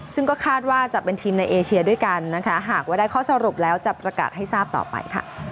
ซึ่งก็คาดว่าจะเป็นทีมในเอเชียด้วยกันนะคะหากว่าได้ข้อสรุปแล้วจะประกาศให้ทราบต่อไปค่ะ